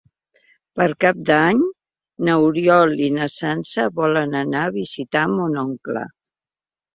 Per Cap d'Any n'Oriol i na Sança volen anar a visitar mon oncle.